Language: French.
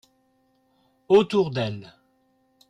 Autour d’elle.